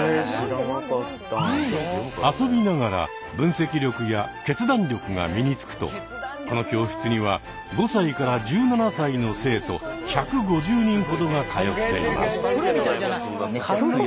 「遊びながら分析力や決断力が身につく」とこの教室には５歳から１７歳の生徒１５０人ほどが通っています。